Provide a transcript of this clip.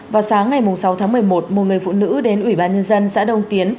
vào sáng ngày sáu tháng một mươi một một người phụ nữ đến ủy ban nhân dân xã đông tiến